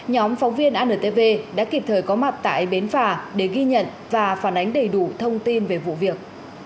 nhóm phóng viên antv đã kịp thời có mặt tại bến phà để ghi nhận và phản ánh đầy đủ thông tin về vụ việc